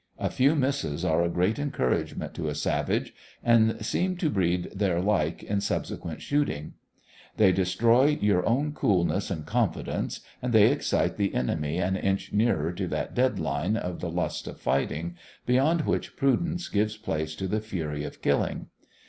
A few misses are a great encouragement to a savage, and seem to breed their like in subsequent shooting. They destroy your own coolness and confidence, and they excite the enemy an inch nearer to that dead line of the lust of fighting, beyond which prudence gives place to the fury of killing.